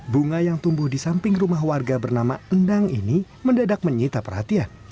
bunga yang tumbuh di samping rumah warga bernama endang ini mendadak menyita perhatian